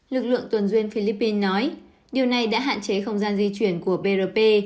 lực lượng tuần duyên philippines nói điều này đã hạn chế không gian di chuyển của brp